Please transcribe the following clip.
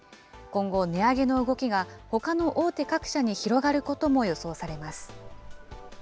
今後、値上げの動きがほかの大手各社に広がることも予想されます。